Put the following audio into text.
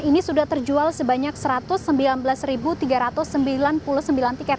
ini sudah terjual sebanyak satu ratus sembilan belas tiga ratus sembilan puluh sembilan tiket